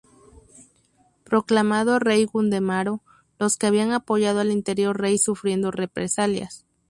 Proclamado rey Gundemaro, los que habían apoyado al anterior rey sufrieron represalias.